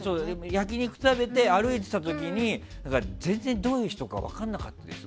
焼き肉食べて、歩いてた時に全然どういう人か分からなかったです